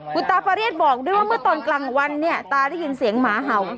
คุณตาประเรียนบอกด้วยว่าเมื่อตอนกลางวันเนี่ยตาได้ยินเสียงหมาเห่า